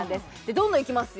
どんどんいきますよ